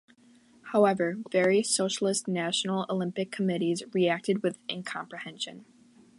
However, various socialist National Olympic Committees reacted with incomprehension.